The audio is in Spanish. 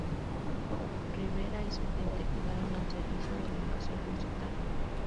Rivera y su gente quedaron al servicio del invasor lusitano.